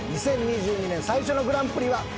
２０２２年最初のグランプリは？